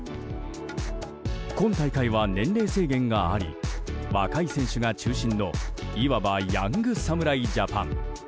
今大会は年齢制限があり若い選手が中心のいわばヤング侍ジャパン。